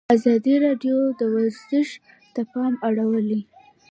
ازادي راډیو د ورزش ته پام اړولی.